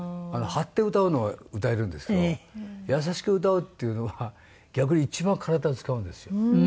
張って歌うのは歌えるんですけど優しく歌うっていうのは逆に一番体を使うんですよ。